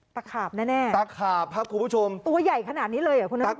ตักขาบแน่ตักขาบครับคุณผู้ชมตัวใหญ่ขนาดนี้เลยอ่ะคุณพระราพรฮะ